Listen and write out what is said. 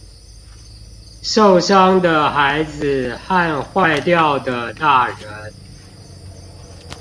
受傷的孩子和壞掉的大人